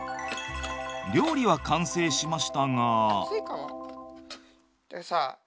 料理は完成しましたが。